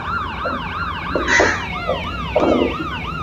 Katika siku za nyuma ushirikiano ulitoa waraka na sifa mbaya zaidi